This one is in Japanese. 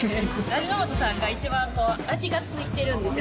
味の素さんが一番、味が付いてるんですよ。